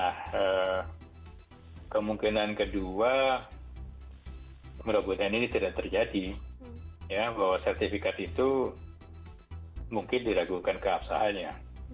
nah kemungkinan kedua mudah mudahan ini tidak terjadi bahwa sertifikat itu mungkin diragukan keabsahannya